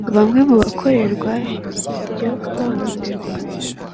Bamwe mu bakorerwa iryo hohoterwa